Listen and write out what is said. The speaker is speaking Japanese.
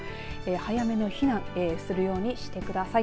早めの避難するようにしてください。